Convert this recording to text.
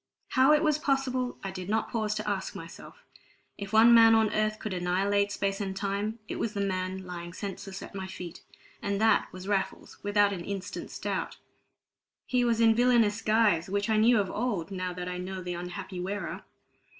How it was possible, I did not pause to ask myself; if one man on earth could annihilate space and time, it was the man lying senseless at my feet; and that was Raffles, without an instant's doubt. He was in villainous guise, which I knew of old, now that I knew the unhappy wearer.